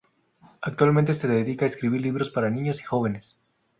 Actualmente se dedica a escribir libros para niños y jóvenes.